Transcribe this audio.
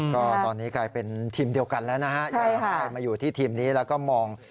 ก็ตอนนี้กลายเป็นทีมเดียวกันแล้วนะฮะอยากให้ใครมาอยู่ที่ทีมนี้แล้วก็มอง